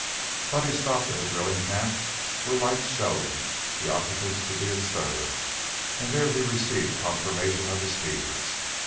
Buddy stopped at a drilling camp where lights showed the occupants to be astir, and there he received confirmation of his fears.